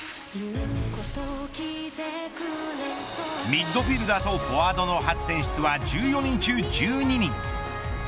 ミッドフィルダーとフォワードの初選出は１４人中１２人。